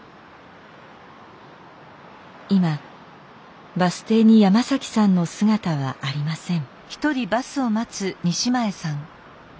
今バス停に山さんの姿はありません。